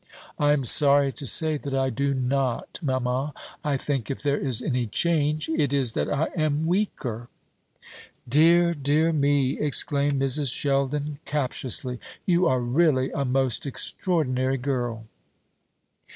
"I am sorry to say that I do not, mamma. I think if there is any change, it is that I am weaker." "Dear, dear me!" exclaimed Mrs. Sheldon captiously, "you are really a most extraordinary girl."